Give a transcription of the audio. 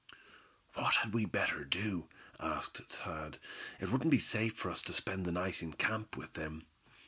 "What had we better do?" asked Thad. "It wouldn't be safe for us to spend the night in camp with them."